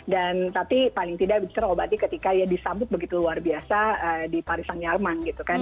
dan tapi paling tidak bercerobati ketika ya disambut begitu luar biasa di paris saint germain gitu kan